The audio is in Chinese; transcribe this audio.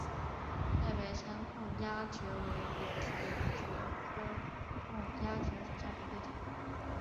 太白山凤丫蕨为裸子蕨科凤丫蕨属下的一个种。